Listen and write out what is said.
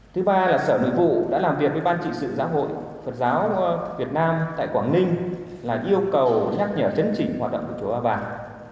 thứ ba là sở nội vụ đã làm việc với ban trị sự giáo hội phật giáo việt nam tại quảng ninh là yêu cầu nhắc nhở chấn chỉnh hoạt động của chùa ba vàng